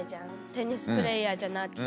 テニスプレーヤーじゃなきゃ。